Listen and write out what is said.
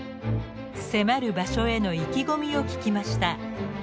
迫る場所への意気込みを聞きました。